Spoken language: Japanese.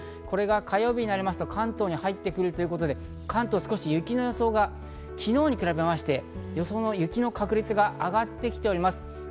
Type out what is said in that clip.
これが火曜日になりますと関東に入ってくるということで、関東少し雪の予想が昨日に比べて雪の確率が上がってきております。